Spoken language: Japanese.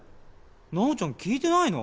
直ちゃん聞いてないの？